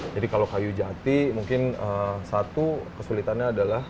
jadi kalau kayu jati mungkin satu kesulitannya adalah